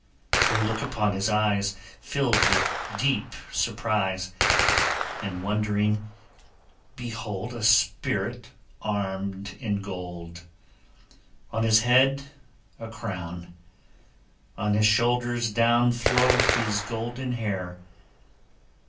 They look upon his eyes, Filled with deep surprise; And wondering behold A spirit armed in gold. On his head a crown, On his shoulders down Flowed his golden hair.